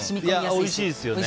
おいしいですよね。